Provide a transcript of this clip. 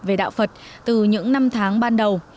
về đạo phật từ những năm tháng ban đầu